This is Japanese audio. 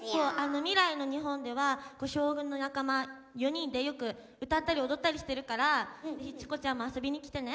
未来の日本では将軍の仲間４人でよく歌ったり踊ったりしてるからぜひチコちゃんも遊びに来てね。